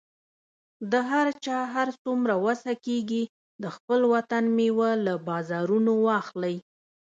د هر چا هر څومره وسه کیږي، د خپل وطن میوه له بازارونو واخلئ